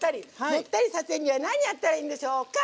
もったりさせるには何やったらいいんでしょうか？